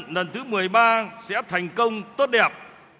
lần thứ một mươi ba sẽ thành công tốt đẹp